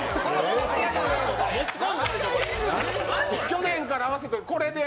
去年から合わせてこれで。